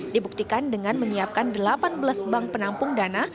dibuktikan dengan menyiapkan delapan belas bank penampung dana